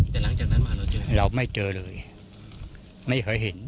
แต่หลังจากนั้นมาเราเจอเราไม่เจอเลยไม่เคยเห็น